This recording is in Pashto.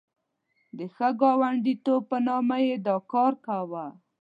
د ښه ګاونډیتوب په نامه یې دا کار کاوه.